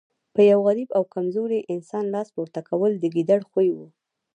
پر غریب او کمزوري انسان لاس پورته کول د ګیدړ خوی وو.